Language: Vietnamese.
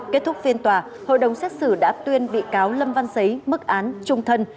kết thúc phiên tòa hội đồng xét xử đã tuyên bị cáo lâm văn xấy mức án trung thân